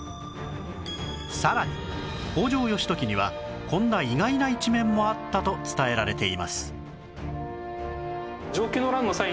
さらに北条義時にはこんな意外な一面もあったと伝えられています